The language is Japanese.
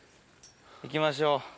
行きましょう。